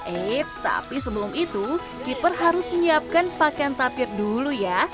eits tapi sebelum itu keeper harus menyiapkan pakaian tapir dulu ya